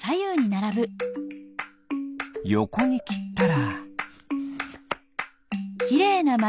よこにきったら。